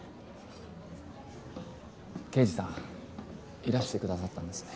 刑事さんいらしてくださったんですね。